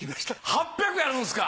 ８００やるんですか！